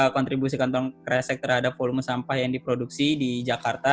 kontribusi kantong kresek terhadap volume sampah yang diproduksi di jakarta